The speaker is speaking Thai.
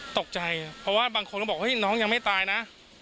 ตกใจเพราะว่าบางคนก็บอกเฮ้ยน้องยังไม่ตายนะ